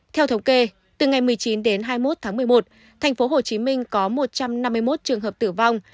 theo thống kê từ ngày một mươi chín đến hai mươi một tháng một mươi một tp hcm có một trăm năm mươi một trường hợp tử vong